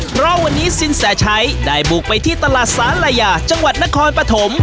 เพราะวันนี้สินแสชัยได้บุกไปที่ตลาดสาลายาจังหวัดนครปฐม